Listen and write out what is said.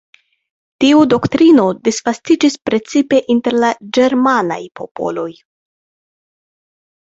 Tiu doktrino disvastiĝis precipe inter la ĝermanaj popoloj.